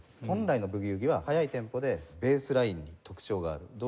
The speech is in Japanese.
本来のブギウギは速いテンポでベースラインに特徴がある。